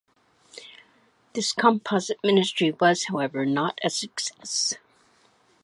This composite ministry was, however, not a success.